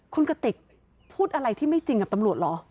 คุณกติกพูดอะไรที่ไม่จริงกับตำรวจเหรอ